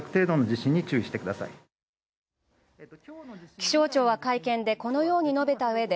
気象庁は会見でこのようにのべたうえで、